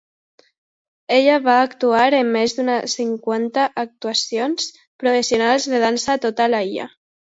Ella va actuar en més d'una cinquanta actuacions professionals de dansa a tota l'illa.